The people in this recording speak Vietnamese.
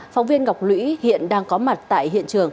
phóng viên ngọc lũy hiện đang có mặt tại hiện trường